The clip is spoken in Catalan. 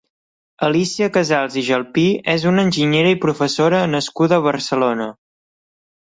Alícia Casals i Gelpí és una enginyera i professora nascuda a Barcelona.